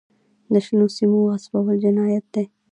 د شنو سیمو غصبول جنایت دی.